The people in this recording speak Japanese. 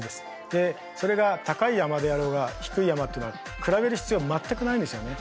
でそれが高い山であろうが低い山っていうのは比べる必要は全くないんですよね。